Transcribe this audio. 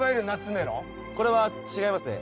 これは違いますね。